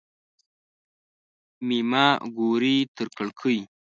مېمه ګوري تر کړکۍ.